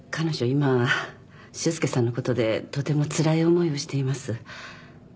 今修介さんのことでとてもつらい思いをしています。